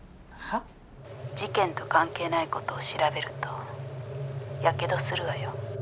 事件と関係ない事を調べるとやけどするわよ。